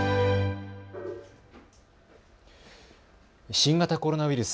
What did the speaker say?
新型コロナウイルス。